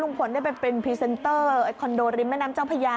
ผลไปเป็นพรีเซนเตอร์คอนโดริมแม่น้ำเจ้าพญา